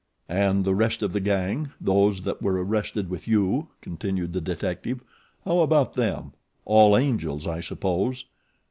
"And the rest of the gang, those that were arrested with you," continued the detective, "how about them? All angels, I suppose."